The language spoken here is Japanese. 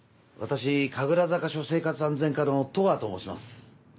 私神楽坂署生活安全課の戸川と申します。